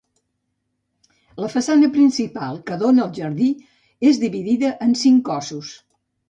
La façana principal, que dóna al jardí, és dividida en cinc cossos.